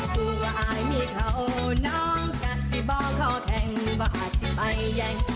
กูว่าอายมีเขาน้องกัดสิบอขอแข่งบ่อที่ไปยัง